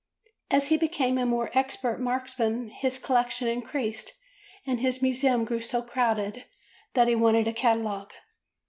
As he became a more expert marksman his collection increased and his museum grew so crowded that he wanted a catalogue.